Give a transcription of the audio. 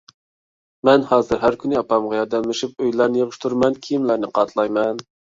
مەن ھازىر ھەر كۈنى ئاپامغا ياردەملىشىپ ئۆيلەرنى يىغىشتۇرىمەن، كىيىملەرنى قاتلايمەن.